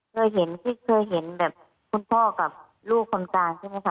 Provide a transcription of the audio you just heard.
เคยเห็นที่เคยเห็นแบบคุณพ่อกับลูกคนกลางใช่ไหมคะ